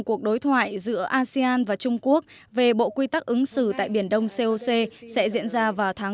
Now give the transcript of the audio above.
cuộc đối thoại giữa asean và trung quốc về bộ quy tắc ứng xử tại biển đông coc sẽ diễn ra vào tháng bốn